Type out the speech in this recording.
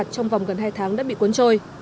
trong vòng gần hai tháng đã bị cuốn trôi